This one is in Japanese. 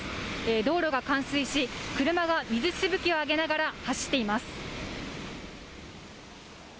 道路が冠水し車が水しぶきを上げながら走っています。